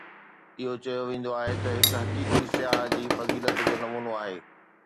اهو چيو ويندو آهي ته هڪ حقيقي سياح جي فضيلت جو نمونو آهي